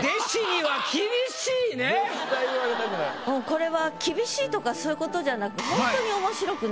これは厳しいとかそういうことじゃなく。